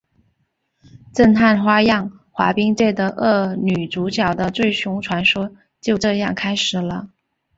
震撼花样滑冰界的恶女主角的最凶传说就这样开始了！